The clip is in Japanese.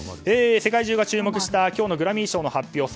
世界中が注目した今日のグラミー賞の発表。